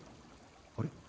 あれ？